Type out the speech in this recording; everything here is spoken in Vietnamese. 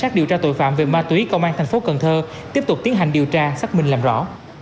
tiếp tục tiến hành điều tra xác minh làm rõ